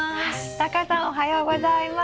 タカさんおはようございます。